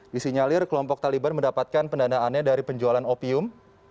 disinyalir kelompok taliban mendapatkan pendanaannya dari penjualan opium